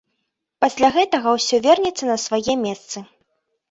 Пасля гэтага ўсё вернецца на свае месцы.